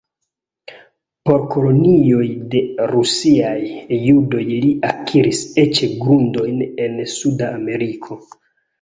Por kolonioj de rusiaj judoj li akiris eĉ grundojn en Suda Ameriko.